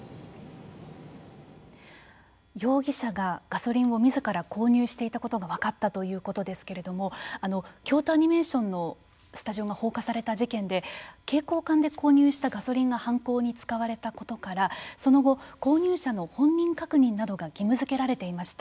容疑者がガソリンをみずから購入していたことが分かったということですけれども京都アニメーションのスタジオが放火された事件で携行缶で購入したガソリンが犯行に使われたことからその後購入者の本人確認などが義務づけられていました。